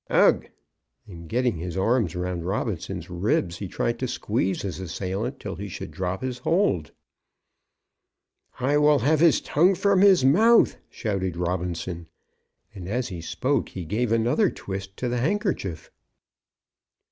"Ugh h h." And getting his arm round Robinson's ribs he tried to squeeze his assailant till he should drop his hold. "I will have his tongue from his mouth," shouted Robinson, and as he spoke, he gave another twist to the handkerchief.